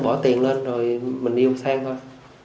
bỏ tiền lên rồi mình yêu sang thôi